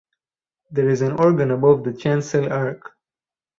There is an organ above the chancel arch.